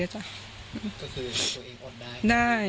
ก็คือตัวเองอดได้